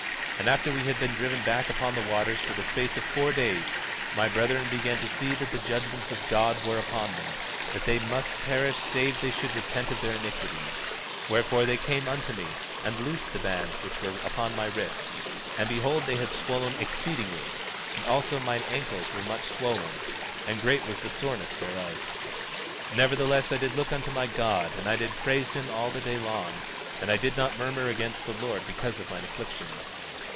And after we had been driven back upon the waters for the space of four days, my brethren began to see that the judgments of God were upon them, and that they must perish save that they should repent of their iniquities; wherefore, they came unto me, and loosed the bands which were upon my wrist, and behold they had swollen exceedingly; and also mine ankles were much swollen, and great was the soreness thereof. 18:16 Nevertheless, I did look unto my God, and I did praise him all the day long; and I did not murmur against the Lord because of mine afflictions.